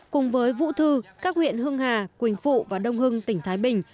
cùng với vũ thư các huyện hưng hà quỳnh phụ và đông hưng tỉnh thái bình